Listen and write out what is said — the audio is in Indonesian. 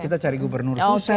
kita cari gubernur fusa